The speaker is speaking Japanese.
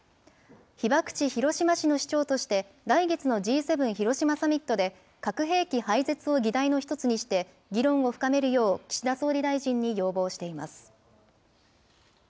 被爆地、広島市の市長として、来月のＧ７広島サミットで、核兵器廃絶を議題の一つにして議論を深めるよう、岸田総理大臣に要望しています。